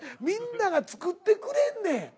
みんなが作ってくれんねん。